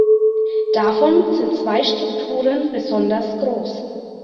Davon sind zwei Strukturen besonders groß.